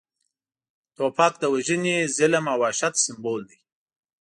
توپک د وژنې، ظلم او وحشت سمبول دی